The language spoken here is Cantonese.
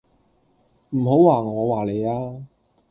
唔好話我話你吖